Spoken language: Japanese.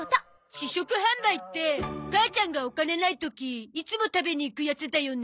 試食販売って母ちゃんがお金がない時いつも食べに行くやつだよね？